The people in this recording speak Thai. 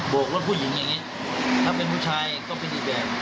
โบกว่าผู้หญิงอย่างงี้ถ้าเป็นผู้ชายก็เป็นอีกแบบ